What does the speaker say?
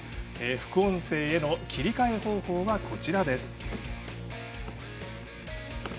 副音声への切り替え方法はこちらです。